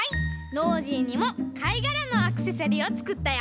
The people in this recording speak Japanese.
ノージーにもかいがらのアクセサリーをつくったよ！